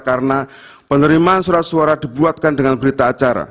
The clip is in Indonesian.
karena penerimaan surat suara dibuatkan dengan berita acara